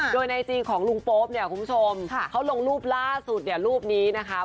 โดยไอจีของลุงโป๊ปเนี่ยคุณผู้ชมเขาลงรูปล่าสุดเนี่ยรูปนี้นะคะ